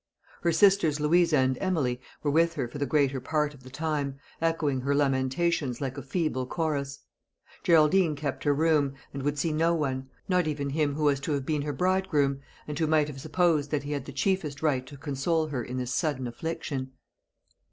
Her sisters Louisa and Emily were with her for the greater part of the time, echoing her lamentations like a feeble chorus. Geraldine kept her room, and would see no one not even him who was to have been her bridegroom, and who might have supposed that he had the chiefest right to console her in this sudden affliction.